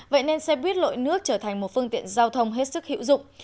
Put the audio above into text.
vậy nên xe buýt lội nước trở thành một phương tiện giao thông hết sức hữu dụng